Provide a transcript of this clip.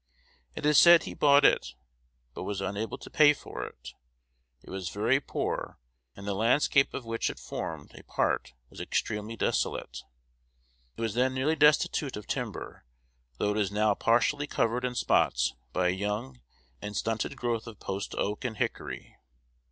It is said he bought it, but was unable to pay for it. It was very poor, and the landscape of which it formed a part was extremely desolate. It was then nearly destitute of timber, though it is now partially covered in spots by a young and stunted growth of post oak and hickory.